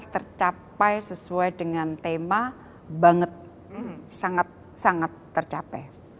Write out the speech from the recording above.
tercapai sesuai dengan tema banget sangat sangat tercapai